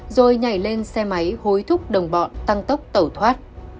rồi nhảy lên xe máy hối thúc đồng bọn tăng tốc tẩu thoát